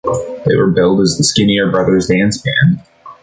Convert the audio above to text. They were billed as the Skinner Brothers dance band.